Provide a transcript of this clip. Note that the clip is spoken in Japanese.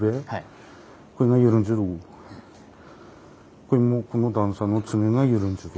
これもこの段差のツメが緩んでる。